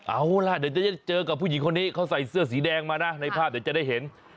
เอาล่ะเดี๋ยวจะเจอกับผู้หญิงคนนี้เขาใส่เสื้อสีแดงมานะในภาพเดี๋ยวจะได้เห็น